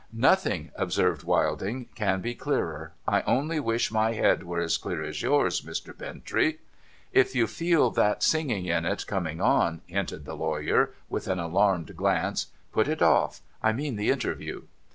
' Nothing,' ohservcd AVilding, ' can he clearer. I only wish my head were as clear as yours, Mr. ]>intrey.' ' If you feel that singing in it coming on,' hinted the lawyer, with an alarmed glance, ' put it off. — I mean the interview.'